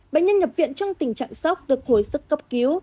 bệnh nhân nhập viện trong tình trạng sốc được hồi sức cấp cứu